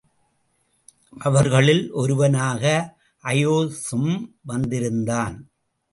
அவர்களுள் ஒருவனாக அயோஸ்ஸும் வந்திருந்தான்.